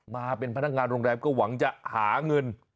มาเป็นพนักงานโรงแรมก็หวังจะหาเงิน